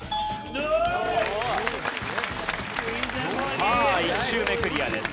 さあ１周目クリアです。